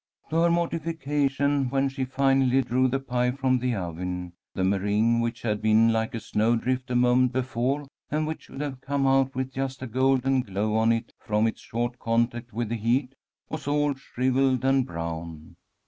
To her mortification, when she finally drew the pie from the oven, the meringue, which had been like a snowdrift a moment before, and which should have come out with just a golden glow on it from its short contact with the heat, was all shrivelled and brown.